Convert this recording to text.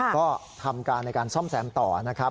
ก็ทำการในการซ่อมแซมต่อนะครับ